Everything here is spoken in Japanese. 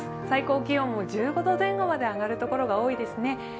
最高気温も１５度前後まで上がるところが多いですね。